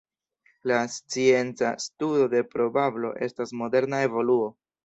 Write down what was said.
La scienca studo de probablo estas moderna evoluo.